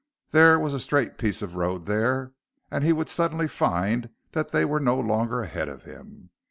There was a straight piece of road there and he would suddenly find that they were no longer ahead of him.